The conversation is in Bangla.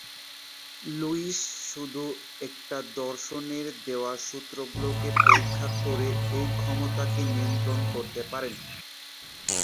লুইস শুধু একটা দর্শনে দেওয়া সূত্রগুলো পরীক্ষা করে এই ক্ষমতাকে নিয়ন্ত্রণ করতে পারেন।